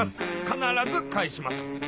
必ず返します。